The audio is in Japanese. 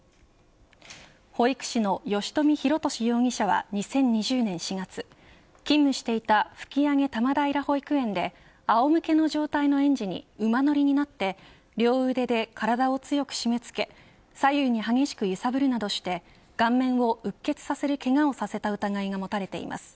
保育士の吉冨弘敏容疑者は２０２０年４月勤務していた吹上多摩平保育園であおむけの状態の園児に馬乗りになって両腕で体を強く締め付け左右に激しく揺さぶるなどして顔面をうっ血させるけがをさせた疑いが持たれています。